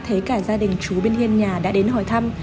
thế cả gia đình chú bên hiên nhà đã đến hỏi thăm